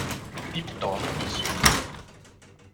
Pip Torrens